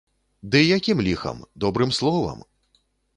Ды якім ліхам, добрым словам!